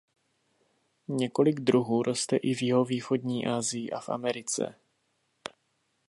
Několik druhů roste i v jihovýchodní Asii a v Americe.